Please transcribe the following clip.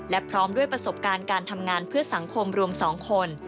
และพร้อมด้วยประสบการณ์การทำงานเพื่อสังคมรวม๒คน